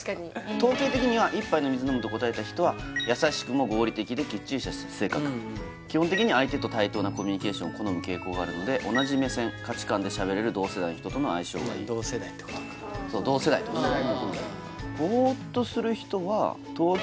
統計的には一杯の水を飲むと答えた人は優しくも合理的できっちりした性格基本的には相手と対等なコミュニケーションを好む傾向があるので同じ目線価値観でしゃべれる同世代の人との相性がいい同世代ってことか同世代ってことですね